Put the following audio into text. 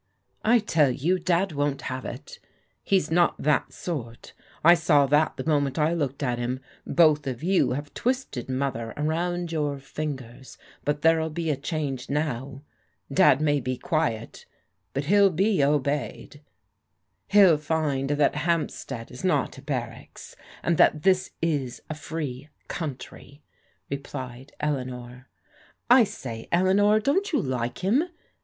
"I tell you. Dad won't have it. He's not that sort I saw that the moment I looked at him. Both of you have twisted Mother arotmd your fingers ; but there'll be a change now. Dad may be quiet ; but he'll be obeyed." He'll find that Hampstead is not a barracks, and that this is a free coimtry," replied Eleanor. " I say, Eleanor, don't you like him?